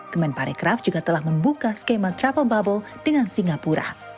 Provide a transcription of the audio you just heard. kemenparekraf juga telah membuka skema travel bubble dengan singapura